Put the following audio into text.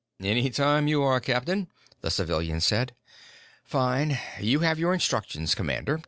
"Anytime you are, captain," the civilian said. "Fine. You have your instructions, commander.